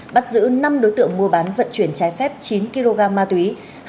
bắt giữ năm đối tượng mua bán vận chuyển trái phép chín kg ma túy